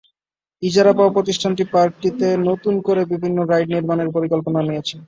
ইজারা পাওয়া প্রতিষ্ঠানটি পার্কটিতে নতুন করে বিভিন্ন রাইড নির্মাণের পরিকল্পনা নিয়েছে।